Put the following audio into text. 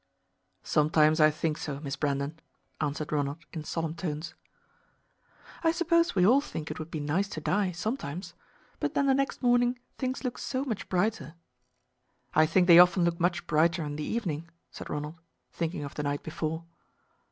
"Sometimes I think so, Miss Brandon," answered Ronald in solemn tones. "I suppose we all think it would be nice to die, sometimes. But then the next morning things look so much brighter." "I think they often look much brighter in the evening," said Ronald, thinking of the night before.